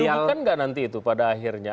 irubikan nggak nanti itu pada akhirnya